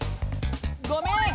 ごめん。